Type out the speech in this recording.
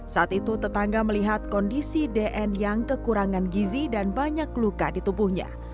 saat itu tetangga melihat kondisi dn yang kekurangan gizi dan banyak luka di tubuhnya